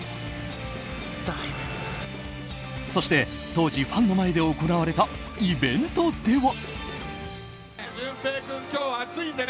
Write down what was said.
そして当時、ファンの前で行われたイベントでは。